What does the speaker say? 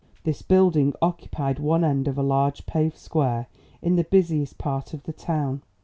This building occupied one end of a large paved square in the busiest part of the town.